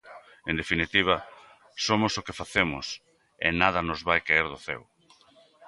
En definitiva, somos o que facemos e nada nos vai caer do ceo.